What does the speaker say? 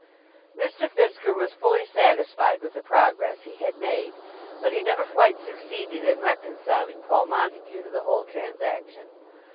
Mr. Fisker was fully satisfied with the progress he had made, but he never quite succeeded in reconciling Paul Montague to the whole transaction.